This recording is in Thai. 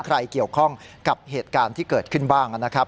ใครเกี่ยวข้องกับเหตุการณ์ที่เกิดขึ้นบ้างนะครับ